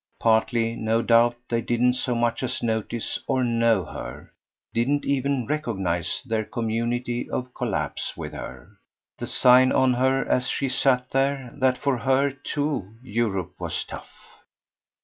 Partly, no doubt, they didn't so much as notice or know her, didn't even recognise their community of collapse with her, the sign on her, as she sat there, that for her too Europe was "tough."